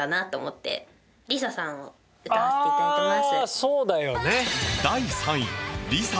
ああそうだよね。